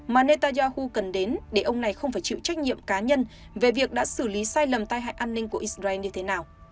mà netanyahu cần đến để ông này không phải chịu trách nhiệm cá nhân về việc đã xử lý sai lầm tai hại an ninh của israel như thế nào